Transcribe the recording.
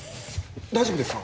大丈夫ですか！？